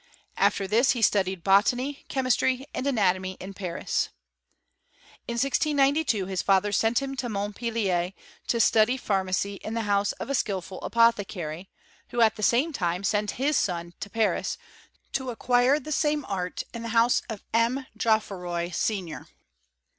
After this he studied botany, chemistry, and anatomy in Paris. In 1692 his fsM ther sent him to Montpelier, to study pharmacy in the house of a skilful apothecary, who at the same time sent his ^on to Paris, to acquire the same art in the house of M. Geoffroy, senior.